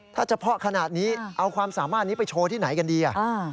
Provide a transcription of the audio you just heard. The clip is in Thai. ถ้าเฉพาะขนาดนี้เอาความสามารถนี้ไปโชว์ที่ไหนกันดี